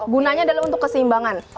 gunanya adalah untuk keseimbangan